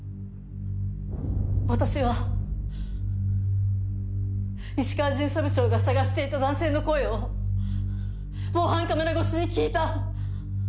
私は石川巡査部長が捜していた男性の声を防犯カメラ越しに聞いた。